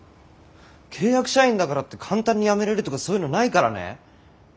契約社員だからって簡単に辞めれるとかそういうのないからね。